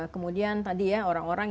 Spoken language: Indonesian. kemudian tadi ya orang orang